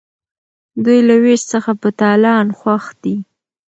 دوی له ویش څخه په تالان خوښ دي.